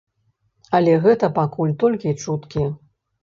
Але гэта пакуль толькі чуткі.